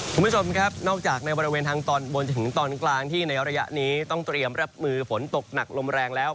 คุณผู้ชมครับนอกจากในบริเวณทางตอนบนจนถึงตอนกลางที่ในระยะนี้ต้องเตรียมรับมือฝนตกหนักลมแรงแล้ว